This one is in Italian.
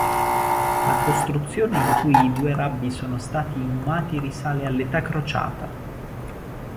La costruzione in cui i due "Rabbi" sono stati inumati risale all'età crociata.